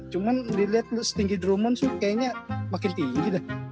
cuman diliat setinggi drummond sih kayaknya makin tinggi dah